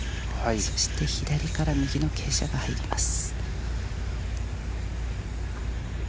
そして左から右の傾斜が入ります。